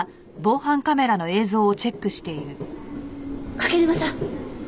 柿沼さん！